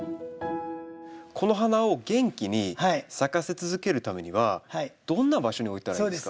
この花を元気に咲かせ続けるためにはどんな場所に置いたらいいですか？